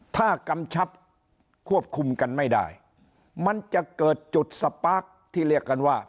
ถ้ากำชับควบคุมกันไม่ได้มันจะเกิดจุดสปาร์คที่เรียกกันว่า